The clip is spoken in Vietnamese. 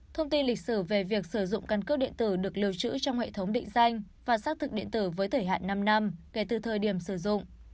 thông tin lịch sử về việc sử dụng căn cước điện tử được lưu trữ trong hệ thống định danh và xác thực điện tử với thời hạn năm năm kể từ thời điểm sử dụng